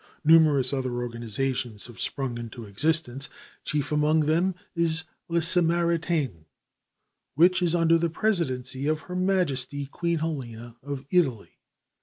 Numerous other organizations have sprung into existence; chief among them is "Le Samaritane," which is under the presidency of Her Majesty, Queen Helena of Italy.